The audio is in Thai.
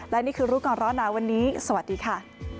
และนี่คือรู้ก่อนร้อนหนาวันนี้สวัสดีค่ะ